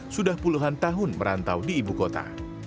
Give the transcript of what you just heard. sudah puluhan tahun merantau di ibu kota